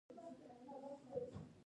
د ماشوم غوږونه باید پاک وساتل شي۔